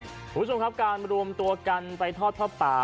คุณผู้ชมครับการรวมตัวกันไปทอดผ้าป่า